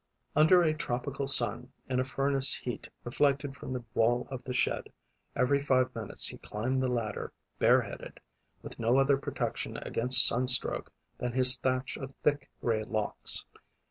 Under a tropical sun, in a furnace heat reflected from the wall of the shed, every five minutes he climbed the ladder bare headed, with no other protection against sunstroke than his thatch of thick, grey locks.